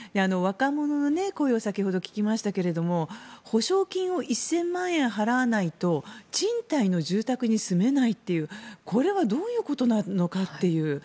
若者の声を先ほど聞きましたが保証金を１０００万円払わないと賃貸の住宅に住めないというこれはどういうことなのかという。